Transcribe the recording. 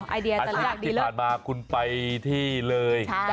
อันนี้ที่ผ่านมาคุณไปที่เลย